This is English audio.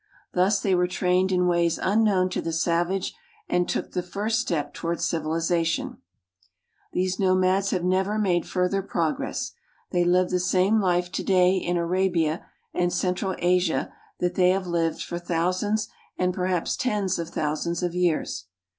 Thus they were trained in ways un known to the savage, and took the first step toward civilization. These THE NATIONAL GEOGRAPHIC SOCIETY ' nomads have never made further progress ; they live the same Ufe today in Arabia and central Asia that they have lived for thousands and per haps tens of thousands of years.